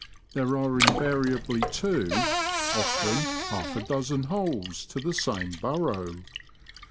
There are invariably two, often half a dozen holes, to the same burrow.